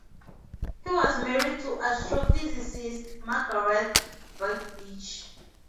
He was married to astrophysicist Margaret Burbidge.